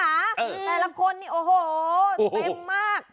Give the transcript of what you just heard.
แต่ละคนนี่โอ้โหเต็มมาก